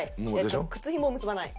靴ひもを結ばない。